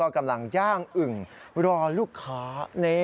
กำลังย่างอึ่งรอลูกค้า